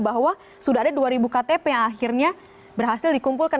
bahwa sudah ada dua ribu ktp yang akhirnya berhasil dikumpulkan